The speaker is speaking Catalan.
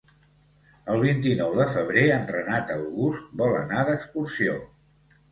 El vint-i-nou de febrer en Renat August vol anar d'excursió.